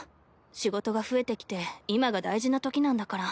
仕事が増えてきて今が大事なときなんだから。